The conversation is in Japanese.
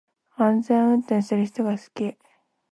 安全運転する人が好き